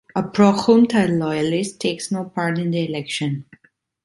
A "Pro-Junta" "loyalist" takes no part in the election.